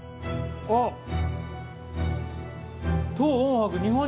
あっ。